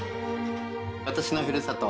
私のふるさと